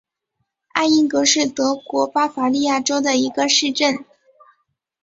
艾因格是德国巴伐利亚州的一个市镇。